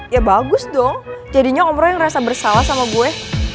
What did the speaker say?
ya bagus dong jadinya om roy ngerasa bersalah sama gue